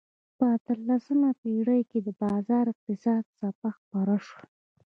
په اتلسمه پېړۍ کې د بازار اقتصاد څپه خپره شوه.